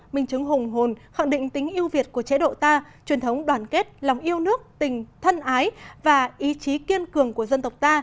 minh chứng hùng hồn khẳng định tính yêu việt của chế độ ta truyền thống đoàn kết lòng yêu nước tình thân ái và ý chí kiên cường của dân tộc ta